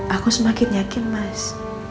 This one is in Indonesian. aku semakin yakin mas